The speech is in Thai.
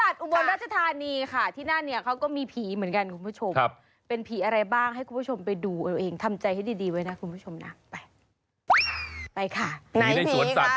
ดูอีกผีนี้โหวนหัวแล้ว